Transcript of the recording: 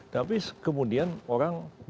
tapi kemudian orang dengan melihat